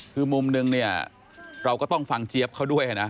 คือมุมนึงเนี่ยเราก็ต้องฟังเจี๊ยบเขาด้วยนะ